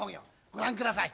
ご覧下さい。